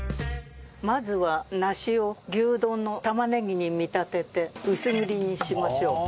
まずは梨を牛丼の玉ねぎに見立てて薄切りにしましょう。